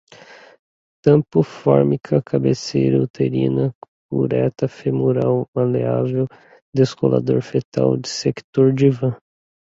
tampo, fórmica, cabeceira, uterina, cureta, femural, maleável, descolador, fetal, dissector, divã